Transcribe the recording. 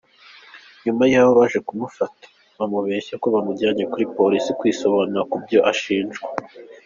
Nyuma yaho ngo baje kumufata, bamubeshya ko bamujyanye kuri polisi kwisobanura kubyo ashinjwa.